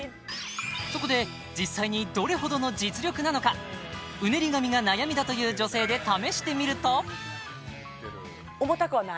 そこで実際にどれほどの実力なのかうねり髪が悩みだという女性で試してみると重たくはない？